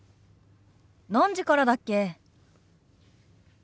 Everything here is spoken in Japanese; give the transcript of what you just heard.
何時からだっけ？